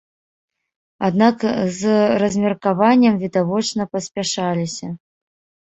Аднак з размеркаваннем відавочна паспяшаліся.